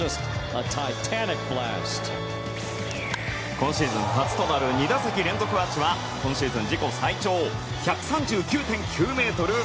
今シーズン初となる２打席連続アーチは今シーズン自己最長１３９．９ｍ！